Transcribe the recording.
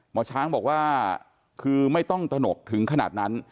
หมอช้างบอกว่าคือไม่ต้องตนกถึงขนาดนั้น